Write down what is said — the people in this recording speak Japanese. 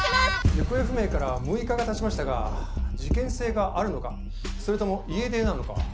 行方不明から６日が経ちましたが事件性があるのかそれとも家出なのか。